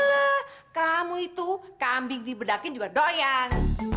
lelah kamu itu kambing diberdakin juga doyan